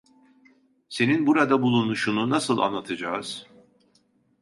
Senin burada bulunuşunu nasıl anlatacağız?